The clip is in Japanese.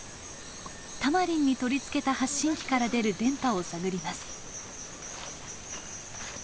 タマリンに取り付けた発信機から出る電波を探ります。